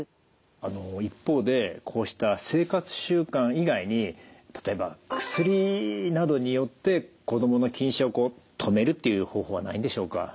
あの一方でこうした生活習慣以外に例えば薬などによって子どもの近視を止めるっていう方法はないんでしょうか。